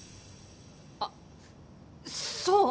あっそう！